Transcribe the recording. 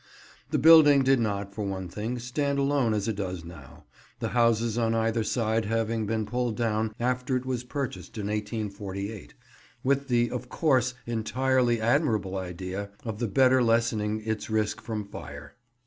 The building did not, for one thing, stand alone as it does now, the houses on either side having been pulled down after it was purchased in 1848; with the, of course, entirely admirable idea of the better lessening its risk from fire.